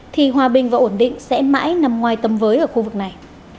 thì hòa bình và ổn định sẽ mãi nằm ngoài tầm với ở khu vực này